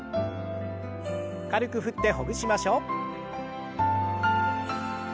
軽く振ってほぐしましょう。